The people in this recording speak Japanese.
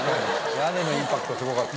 屋根のインパクトすごかった。